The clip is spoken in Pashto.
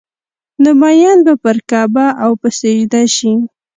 نو مين به پر کعبه او په سجده شي